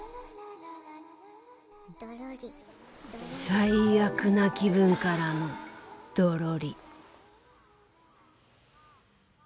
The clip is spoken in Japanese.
最悪な気分からのドロリ。